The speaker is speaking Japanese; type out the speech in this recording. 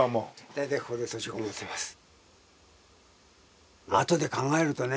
大体ここで閉じこもっています。